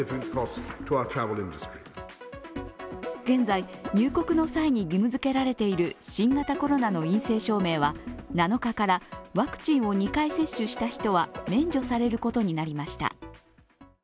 現在、入国の際に義務づけられている新型コロナの陰性証明は７日から、ワクチンを２回接種した人は免除されることになりました。